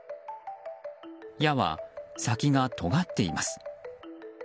矢は先がとがっています。